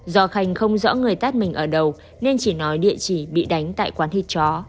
do khanh không rõ người tát mình ở đầu nên chỉ nói địa chỉ bị đánh tại quán thịt chó